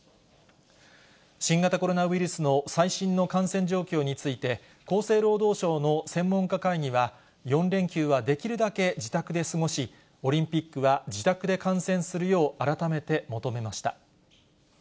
新型コロナウイルスの最新の感染状況について、厚生労働省の専門家会議は、４連休はできるだけ自宅で過ごし、オリンピックは自宅で観戦するよう改めて求めました。